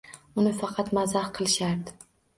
Uni faqat mazax qilishardi.